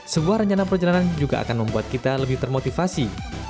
sebuah rencana perjalanan juga akan membuat kita lebih termotivasi